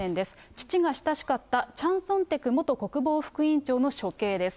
父が親しかったチャン・ソンテク元国防副委員長の処刑です。